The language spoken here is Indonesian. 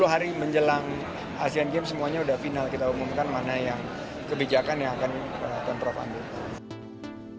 sepuluh hari menjelang asean games semuanya sudah final kita umumkan mana yang kebijakan yang akan pemprov ambil